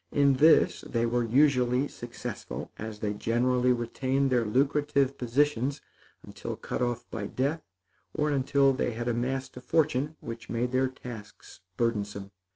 In this they were usually successful, as they generally retained their lucrative positions until cut off by death, or until they had amassed a fortune which made their tasks burdensome.